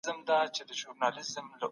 که کلیوال ښار ته راسي عادتونه یې بدلیږي.